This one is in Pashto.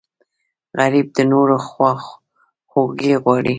غریب د نورو خواخوږی غواړي